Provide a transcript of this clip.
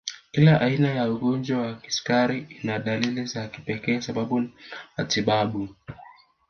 Kila aina ya ugonjwa wa kisukari ina dalili za kipekee sababu na matibabu